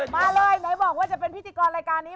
มาเลยไหนบอกว่าจะเป็นพิธีกรรายการนี้